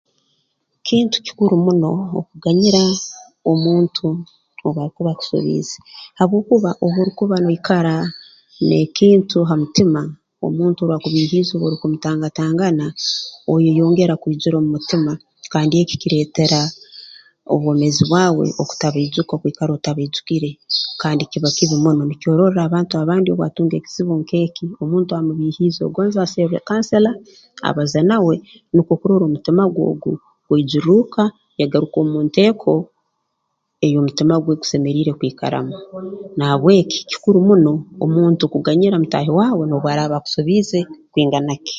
Kintu kikuru muno okuganyira omuntu obu arukuba akusobiize habwokuba obu orukuba noikara n'ekintu ha mutima omuntu owaakubiihiize obu oru kumutangatangana oyeyongera okwijura omu mutima kandi eki kireetera obwomeezi bwawe okutabaijuka kwikara otabaijukire kandi kiba kibi muno nikyo ororra abantu abandi obu atunga ekizibu nk'eki omuntu amubiihiize agonza aserre kansela abaze nawe nukwo kurora omutima gwe ogu gwaijurruuka egaruka omu nteeko ei omutima gwe gusemeriire kwikaramu na habwekyo kikuru muno omuntu kuganyira mutaahi waawe n'obu araaba akusobiize kwingana ki